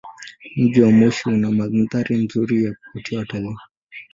Mji wa Moshi una mandhari nzuri ya kuvutia watalii.